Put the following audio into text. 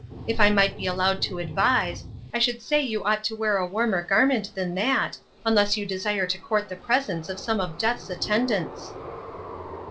If I might be allowed to advise, I should say you ought to wear a warmer garment than that, unless you desire to court the presence of some of Death's attendants."